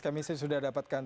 kami sudah dapatkan